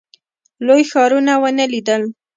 لوی ښارونه ونه لیدل.